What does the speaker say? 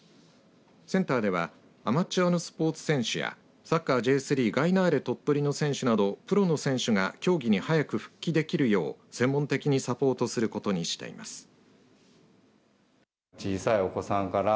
センターではアマチュアのスポーツ選手やサッカーＪ３、ガイナーレ鳥取の選手などプロの選手が競技に早く復帰できるよう専門的にサポートすることにしています。